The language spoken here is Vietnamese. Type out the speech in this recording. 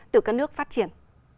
từ các nước phát triển